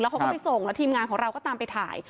เขาก็ไปส่งแล้วทีมงานของเราก็ตามไปถ่าย